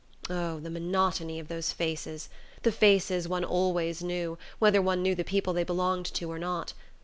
Oh, the monotony of those faces the faces one always knew, whether one knew the people they belonged to or not!